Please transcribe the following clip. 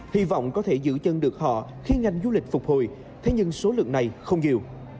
hy vọng có thể giữ chân được họ khi ngành du lịch phục hồi thế nhưng số lượng này không nhiều